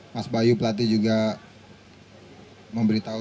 mas bayu pelatih juga memberitahu